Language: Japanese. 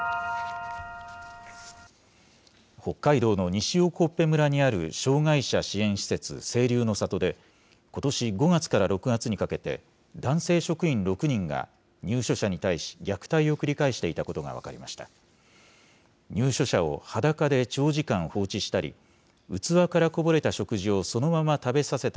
北海道の西興部村にある障害者支援施設、清流の里で、ことし５月から６月にかけて、男性職員６人が、入所者に対し虐待を繰り返していたことが分かりました。